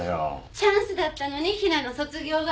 ・チャンスだったのにひなの卒業が。